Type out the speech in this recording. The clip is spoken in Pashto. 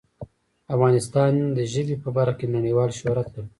افغانستان د ژبې په برخه کې نړیوال شهرت لري.